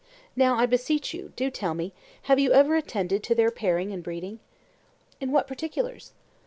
Now, I beseech you, do tell me, have you ever attended to their pairing and breeding? In what particulars?